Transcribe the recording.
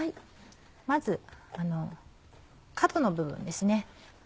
まず角の部分です。